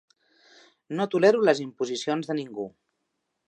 No tolero les imposicions de ningú.